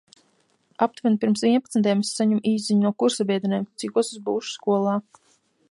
Aptuveni pirms vienpadsmitiem es saņemu īsziņu no kursabiedrenēm – cikos es būšu skolā.